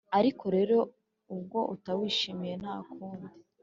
Ariko rero ubwo utawishimiye ntakundi,